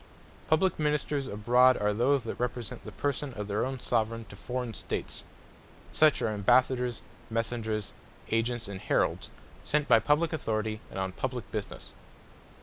Publique Ministers abroad, are those that represent the Person of their own Soveraign, to forraign States. Such are Ambassadors, Messengers, Agents, and Heralds, sent by publique Authoritie, and on publique Businesse.